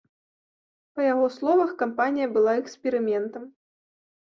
Па яго словах, кампанія была эксперыментам.